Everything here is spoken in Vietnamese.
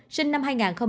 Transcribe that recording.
sinh năm hai nghìn tám